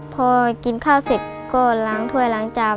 พอกินข้าวเสร็จก็ล้างถ้วยล้างจาม